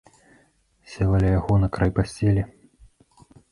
Села ля яго на край пасцелі.